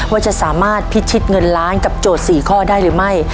ว่าจะสามารถพิชิตเงินล้านกับโจทย์๔ข้อได้หรือไม่